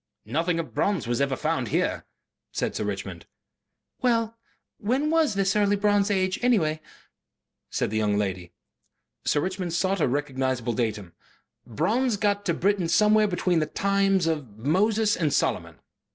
"Nothing of bronze has ever been found here," said Sir Richmond. "Well, when was this early bronze age, anyhow?" said the young lady. Sir Richmond sought a recognizable datum. "Bronze got to Britain somewhere between the times of Moses and Solomon."